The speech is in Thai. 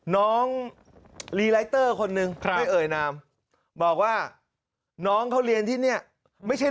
น้องลีไลเตอร์คนนึงไม่เอ่ยนามบอกว่าน้องเขาเรียนที่นี่ไม่ใช่